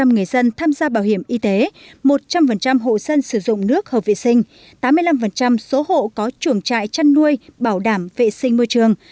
một trăm linh người dân tham gia bảo hiểm y tế một trăm linh hộ dân sử dụng nước hợp vệ sinh tám mươi năm số hộ có chuồng trại chăn nuôi bảo đảm vệ sinh môi trường